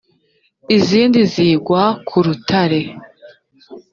izindi zigwa ku rutare